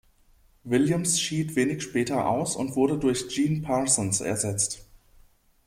Williams schied wenig später aus und wurde durch Gene Parsons ersetzt.